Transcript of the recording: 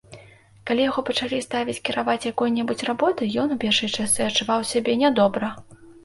Калі яго пачалі ставіць кіраваць якой-небудзь работай, ён у першыя часы адчуваў сябе нядобра.